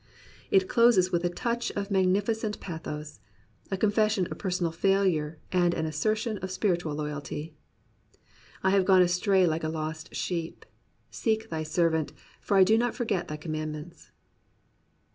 It closes with a touch of mag nificent pathos — a confession of personal failure and an assertion of spiritual loyalty: I have gone astray like a lost sheep: Seek thy servant: For I do not forget thy commandments.